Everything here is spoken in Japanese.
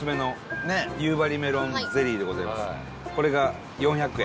伊達：これが４００円。